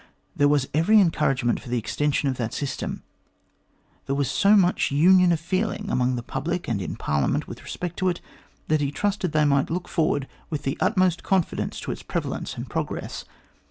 There was every encourage ment for the extension of that system. There was so much union of feeling among the public and in Parliament with respect to it, that he trusted they might look forward with the utmost confidence to its prevalence and progress.